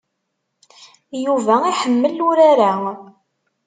Yuba iḥemmel urar-a.